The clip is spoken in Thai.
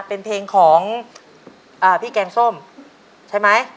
เป็นเพลงของพี่แกงส้มใช่ไหม